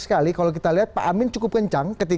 sekali kalau kita lihat pak amin cukup kencang